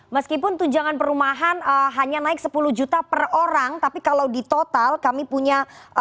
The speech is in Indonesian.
meskipun tunjangan perumahan hanya naik sepuluh juta per orang tapi kalau di total kami punya